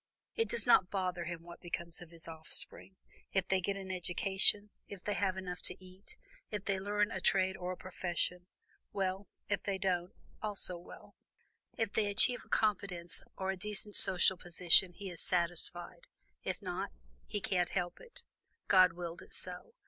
It does not bother him what becomes of his offspring; if they get an education, if they have enough to eat, if they learn a trade or a profession, well if they don't, also well; if they achieve a competence or a decent social position, he is satisfied if not, he can't help it. God willed it so.